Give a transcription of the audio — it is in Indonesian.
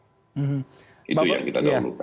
itu yang kita perlukan